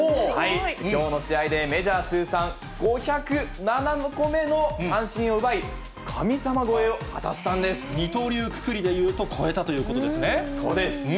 きょうの試合でメジャー通算５０７個目の三振を奪い、二刀流くくりでいうと、そうです。